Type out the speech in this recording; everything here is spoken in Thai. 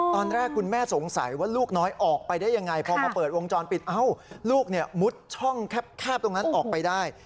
ตอนแรกคุณแม่สงสัยว่าลูกน้อยออกไปได้ยังไงพอมาเปิดวงจรปิดเอ้าลูกมุดช่องแคบตรงนั้นออกไปได้